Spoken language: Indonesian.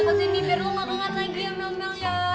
kasih nih biar lu nggak kangen lagi ya mel mel ya